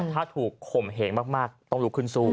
ถ้าถูกข่มเหงมากต้องรู้คืนสู้